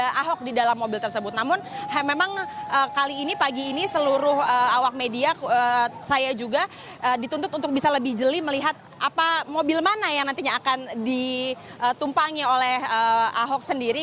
ada ahok di dalam mobil tersebut namun memang kali ini pagi ini seluruh awak media saya juga dituntut untuk bisa lebih jeli melihat mobil mana yang nantinya akan ditumpangi oleh ahok sendiri